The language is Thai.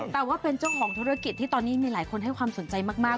แต่ว่าเป็นเจ้าของธุรกิจที่ตอนนี้มีหลายคนให้ความสนใจมาก